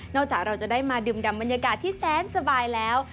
จากเราจะได้มาดื่มดำบรรยากาศที่แสนสบายแล้ว